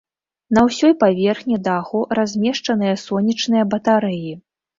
На ўсёй паверхні даху размешчаныя сонечныя батарэі.